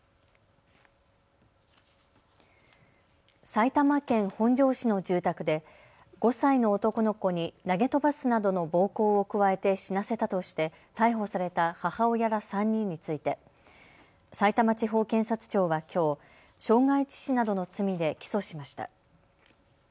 埼玉県本庄市の住宅で５歳の男の子に投げ飛ばすなどの暴行を加えて死なせたとして逮捕された母親ら３人についてさいたま地方検察庁はきょう傷害致死などの罪で起訴しました。